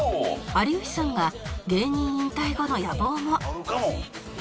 有吉さんが芸人引退後の野望を